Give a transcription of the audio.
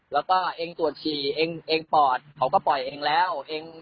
แล้วก็เองตรวจฉี่เองปอดเขาก็ปล่อยเองแล้ว